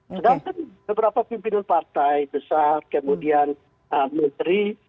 sedangkan beberapa pimpinan partai besar kemudian menteri